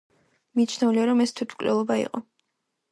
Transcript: მიჩნეულია რომ ეს თვითმკვლელობა იყო.